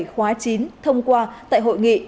khóa chín thông qua tại hội nghị